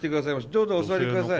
どうぞお座りください。